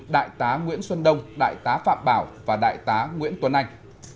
đại tá nguyễn xuân đông đại tá phạm bảo và đại tá nguyễn tuấn anh